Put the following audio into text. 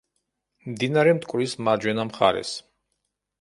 მდინარე მტკვრის მარჯვენა მხარეს.